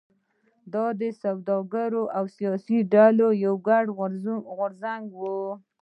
دا د سوداګرو او سیاسي ډلو یو ګډ غورځنګ و.